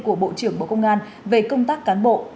của bộ trưởng bộ công an về công tác cán bộ